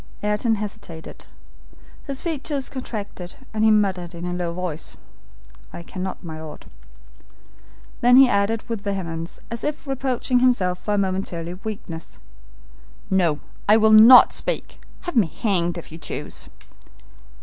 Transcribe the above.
Ayrton hesitated. His features contracted, and he muttered in a low voice, "I cannot, my Lord." Then he added with vehemence, as if reproaching himself for a momentary weakness: "No, I will not speak. Have me hanged, if you choose."